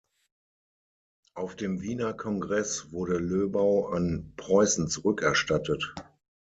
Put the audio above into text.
Auf dem Wiener Kongress wurde Löbau an Preußen zurückerstattet.